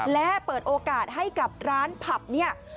และเปิดโอกาสให้กับร้านผับเนี่ย